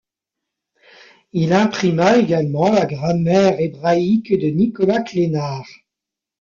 Il imprima également la grammaire hébraïque de Nicolas Clénard.